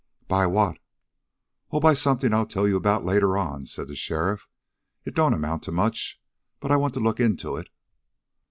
"By what?" "Oh, by something I'll tell you about later on," said the sheriff. "It don't amount to much, but I want to look into it."